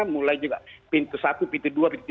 mulai juga pintu satu pintu dua pintu tiga